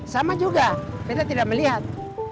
sama juga kita tidak melihat